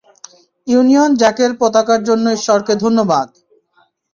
Union জ্যাকের পতাকার জন্য ঈশ্বরকে ধন্যবাদ!